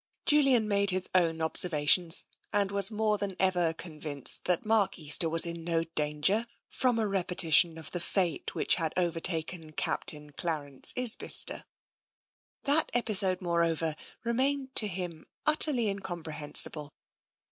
Julian made his own observations, and was more than ever convinced that Mark Easter was in no dan ger from a repetition of the fate which had overtaken Captain Clarence Isbister. That episode, moreover, remained to him utterly incomprehensible.